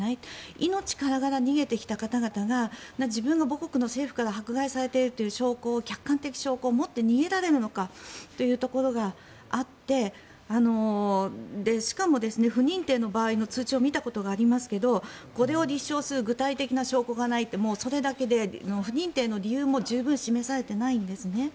命からがら逃げてきた方々が自分が母国の政府から迫害されているという証拠を客観的証拠を持って逃げられるのかというところがあってしかも、不認定の場合の通知を見たことがありますがこれを立証する具体的な証拠がないとそれだけで、不認定の理由も十分示されていないんですね。